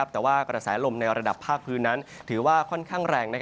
แต่ว่ากระแสลมในระดับภาคพื้นนั้นถือว่าค่อนข้างแรง